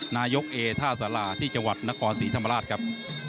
นายกเอท่าสาราที่จังหวัดนครศรีธรรมราชครับ